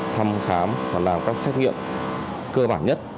thăm khám và làm các xét nghiệm cơ bản nhất